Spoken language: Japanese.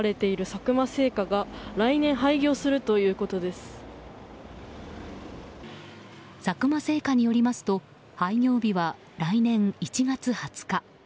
佐久間製菓によりますと廃業日は来年１月２０日。